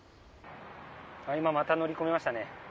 今また乗り込みましたね。